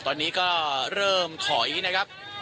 ตอนนี้ก็เริ่มถอยนะครับ